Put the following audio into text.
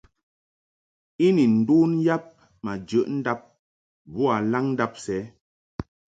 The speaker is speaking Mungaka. I ni ndun yab ma jəʼ ndab boa laŋndab sɛ.